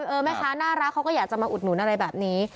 เออแม่ค้าน่ารักเขาก็อยากจะมาอุดหนุนอะไรแบบนี้